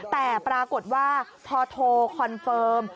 แต่ปรากฏว่าพอโทรคอนเฟิร์ม